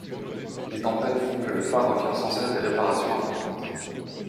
Les tempêtes font que le phare requiert sans cesse des réparations importantes.